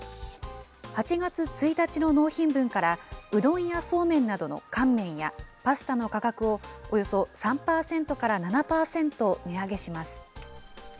８月１日の納品分からうどんやそうめんなどの乾麺やパスタの価格をおよそ３％から７％値上げします。